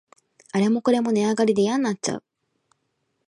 あれもこれも値上がりでやんなっちゃう